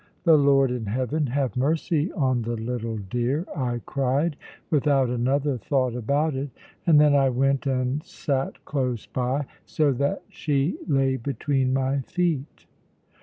"The Lord in heaven have mercy on the little dear!" I cried, without another thought about it; and then I went and sat close by, so that she lay between my feet.